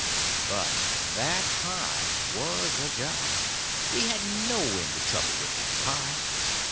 But that pie was a job; we had no end of trouble with that pie.